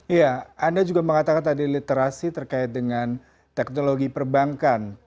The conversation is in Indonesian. iya anda juga mengatakan tadi literasi terkait dengan teknologi perbankan